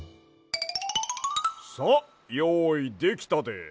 さあよういできたで。